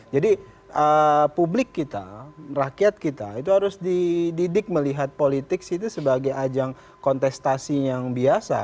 publik kita rakyat kita itu harus dididik melihat politik sebagai ajang kontestasi yang biasa